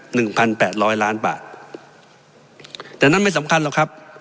หนึ่งพันแปดร้อยล้านบาทแต่นั่นไม่สำคัญหรอกครับ